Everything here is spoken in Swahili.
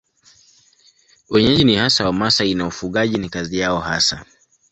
Wenyeji ni hasa Wamasai na ufugaji ni kazi yao hasa.